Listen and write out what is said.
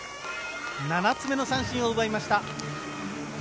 ７つ目の三振を奪いました。